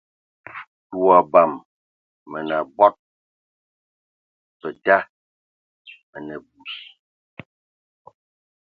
Tə o abam Mə nə abɔd, və da mə nə abui.